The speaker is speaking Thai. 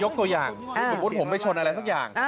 ตัวอย่างสมมุติผมไปชนอะไรสักอย่าง